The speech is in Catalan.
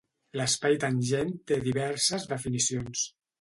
L'espai tangent té diverses definicions.